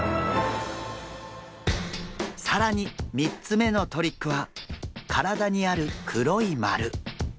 更に３つ目のトリックは体にある黒いまる。